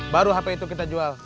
baru hp itu kita jual